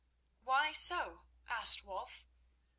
"Why so?" asked Wulf.